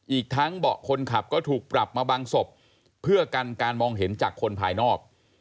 อีกทั้งเบาะคนขับก็ถูกปรับมาบางศพเพื่อกันการมองเห็นจากคนภายนอก